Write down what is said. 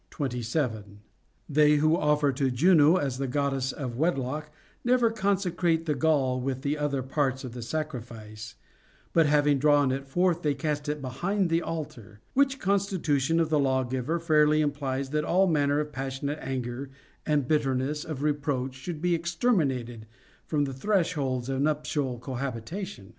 They who offer to Juno as the Goddess of Wedlock never consecrate the gall with the other parts of the sacri fice, but having drawn it forth, they cast it behind the altar. Which constitution of the lawgiver fairly implies that all manner of passionate anger and bitterness of re proach should be exterminated from the thresholds of nuptial cohabitation.